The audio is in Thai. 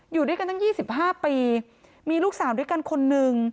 อยู่ด้วยกันตั้ง๒๕ปีมีลูกสาวด้วยกันคนหนึ่ง